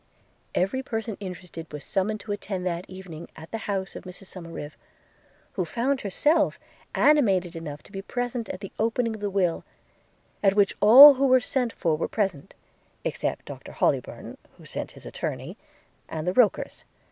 Every person interested was summoned to attend that evening at the house of Mrs Somerive, who found herself animated enough to be present at the opening of the will, at which all who were sent for were present, except Doctor Hollybourn (who sent his attorney) and the Rokers.